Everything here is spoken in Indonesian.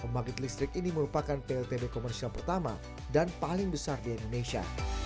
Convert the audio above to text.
pembangkit listrik ini merupakan pltb komersial pertama dan paling besar di indonesia